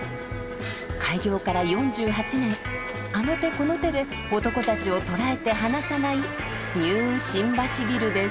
開業から４８年あの手この手で男たちを捉えて離さないニュー新橋ビルです。